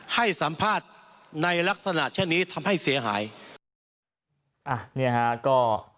ให้สัมภาษณ์ในลักษณะเช่นนี้ทำให้เสียหายอ่ะเนี่ยฮะก็